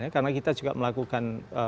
karena kita juga melakukan